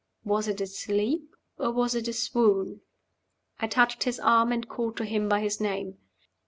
Was it a sleep? or was it a swoon? I touched his arm, and called to him by his name.